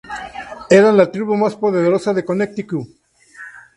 Eran la tribu más poderosa de Connecticut.